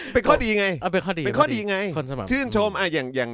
เป็นข้อดีไง